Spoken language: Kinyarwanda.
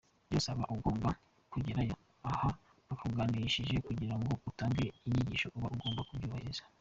Byose uba ugomba kugerayo, aho bakuganishije kugira ngo utange inyigisho uba ugomba kubyubahiriza.